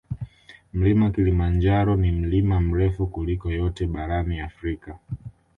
Mlima kilimanjaro ni mlima mrefu kuliko yote barani Afrika